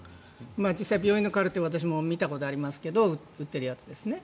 実際に病院のカルテを私も見たことがありますけど売っているやつ。